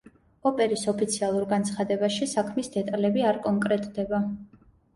ოპერის ოფიციალურ განცხადებაში საქმის დეტალები არ კონკრეტდება.